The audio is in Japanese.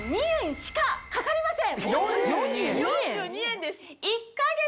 しかかかりません。